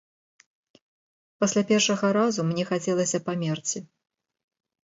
Пасля першага разу мне хацелася памерці.